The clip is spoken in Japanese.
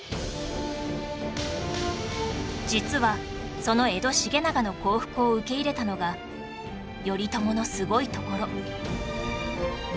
実はその江戸重長の降伏を受け入れたのが頼朝のすごいところ